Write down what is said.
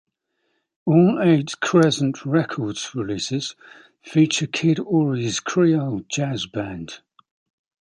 All eight Crescent Records releases feature Kid Ory's Creole Jazz Band.